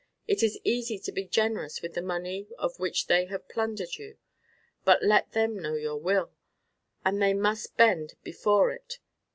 It is easy to be generous with the money of which they have plundered you; but let them know your will, and they must bend before it.